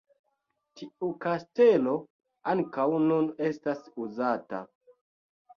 Tiu kastelo ankaŭ nun estas uzata.